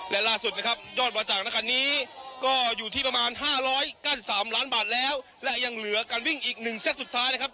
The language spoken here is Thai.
และล่าสุดนะครับยอดประจังในคันนี้ก็อยู่ที่ประมาณห้าร้อยก้าดสิบสามล้านบาทแล้วและยังเหลือการวิ่งอีกหนึ่งแซ็ตสุดท้ายนะครับ